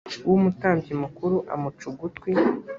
w umutambyi mukuru amuca ugutwi